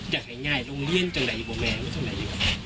อยากให้ง่ายอีกโรงเรียนจากไหนอยู่บ้านแม่ก็จะอร่อยอยู่